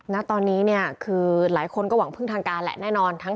ณตอนนี้เนี่ยคือหลายคนก็หวังพึ่งทางการแหละแน่นอน